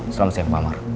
selamat siang pak amar